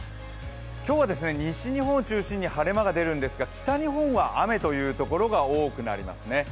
今日は西日本を中心に晴れ間が出るんですが北日本は雨という所が多くなりますね。